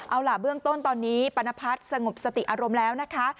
เอาล่ะเบื้องต้นตอนนี้ปรณพัฒน์สงบสติอารมณ์แล้วนะคะ